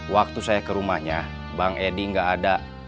waktu saya ke rumahnya bang edi nggak ada